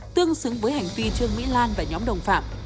tương xứng với hành vi trương mỹ lan và nhóm đồng phạm